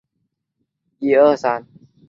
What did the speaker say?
雄鱼一般比雌鱼早熟一年。